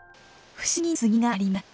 不思議な杉がありました。